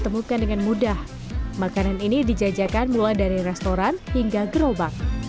menjajakan mulai dari restoran hingga gerobak